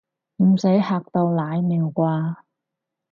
唔使嚇到瀨尿啩